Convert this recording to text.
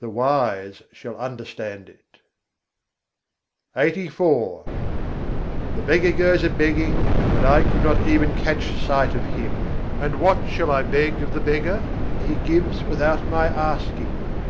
The wise shall understand it. LXXXIV III. 89. mor phakîrwâ mângi jây The Beggar goes a begging, but I could not even catch sight of Him: And what shall I beg of the Beggar He gives without my asking.